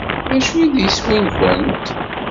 D acu-t yiswi-nwent?